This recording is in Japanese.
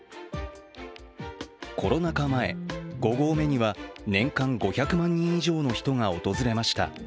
コロナ禍前、５合目には年間５００万人以上の人が訪れました。